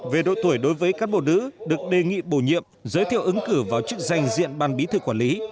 về độ tuổi đối với cán bộ nữ được đề nghị bổ nhiệm giới thiệu ứng cử vào chức danh diện ban bí thư quản lý